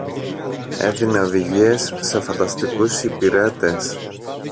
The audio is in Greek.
έδινε οδηγίες σε φανταστικούς υπηρέτες